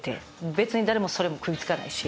別に誰もそれも食い付かないし。